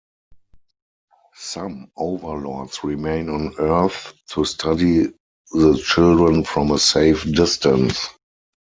Some Overlords remain on Earth to study the children from a safe distance.